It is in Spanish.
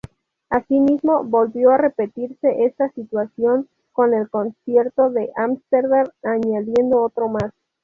Asimismo, volvió a repetirse esta situación con el concierto de Ámsterdam, añadiendo otro más.